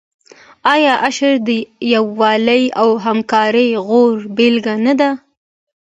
آیا اشر د یووالي او همکارۍ غوره بیلګه نه ده؟